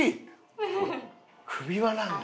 首輪なんだ。